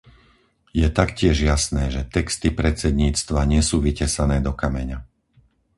Je taktiež jasné, že texty predsedníctva nie sú vytesané do kameňa.